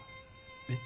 えっ。